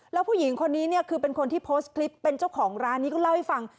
แล้วผู้หญิงคนนี้เนี่ยคือเป็นคนที่โพสต์คลิปเป็นเจ้าของร้านนี้ก็เล่าให้ฟัง